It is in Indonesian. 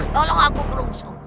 tolong aku kerungsung